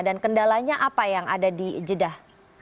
dan kendalanya apa yang ada di jeddah